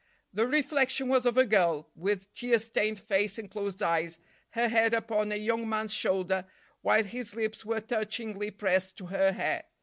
The reflection was of a girl, with tear stained face and closed eyes, her head upon a young man's shoulder, while his lips were touchingly pressed to her hair.